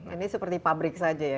ini seperti pabrik saja ya